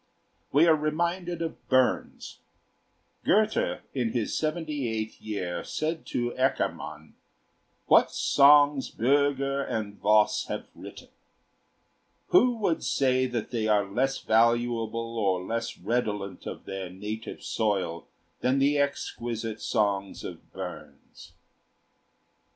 We are reminded of Burns. Goethe in his seventy eighth year said to Eckermann: "What songs Bürger and Voss have written! Who would say that they are less valuable or less redolent of their native soil than the exquisite songs of Burns?"